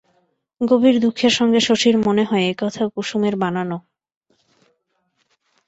গভীর দুঃখের সঙ্গে শশীর মনে হয়, একথা কুসুমের বানানো।